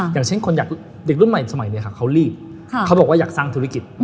อย่างเช่นคนอยากเด็กรุ่นใหม่สมัยนี้เขารีบเขาบอกว่าอยากสร้างธุรกิจ